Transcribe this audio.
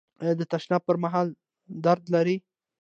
ایا د تشناب پر مهال درد لرئ؟